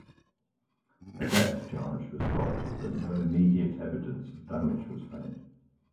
A depth charge was dropped but no immediate evidence of damage was found.